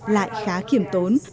lại khá kiểm tốn